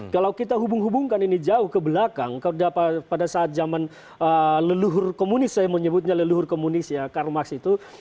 kalau kita hubung hubungkan ini jauh ke belakang pada saat zaman leluhur komunis saya menyebutnya leluhur komunis ya karmaks itu